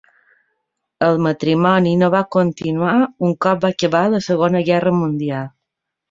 El matrimoni no va continuar un cop va acabar la Segona Guerra Mundial.